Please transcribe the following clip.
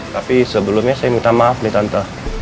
tapi sebelumnya saya minta maaf nih tante